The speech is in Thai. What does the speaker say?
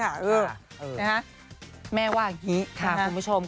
นะฮะแม่ว่างี้ค่ะครับคุณผู้ชมค่ะ